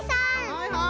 はいはい！